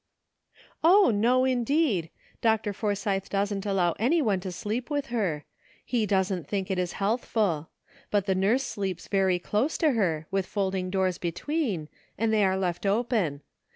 ''O, no indeed! Dr. Forsythe doesn't allow any one to sleep with her ; he doesn't think it is healthful ; but the nurse sleeps very close to her, with folding doors between, and they are left open.